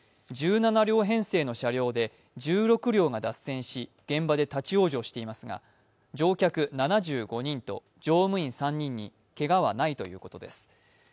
１７両編成の車両で１６両が脱線し現場で立往生していますが、乗客７５人と乗務員３人にけがはないということです。